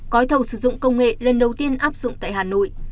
gói thầu sử dụng công nghệ lần đầu tiên áp dụng tại hà nội